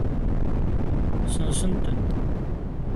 Sensen-ten.